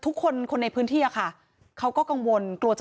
ชาวบ้านในพื้นที่บอกว่าปกติผู้ตายเขาก็อยู่กับสามีแล้วก็ลูกสองคนนะฮะ